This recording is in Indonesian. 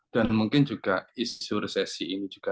dan mungkin juga isu resesi ini juga ya